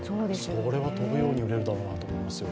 それは飛ぶように売れるだろうなと思いますよ。